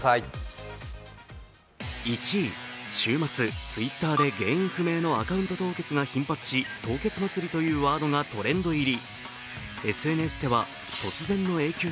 週末、Ｔｗｉｔｔｅｒで原因不明のアカウント凍結が頻発し「凍結祭り」というワードがトレンド入り。